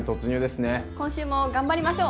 今週も頑張りましょう！